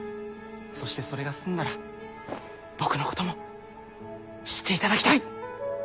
そしてそれが済んだら僕のことも知っていただきたい。